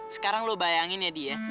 sekarang lo bayangin ya dee ya